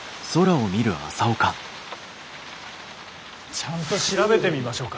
ちゃんと調べてみましょうか。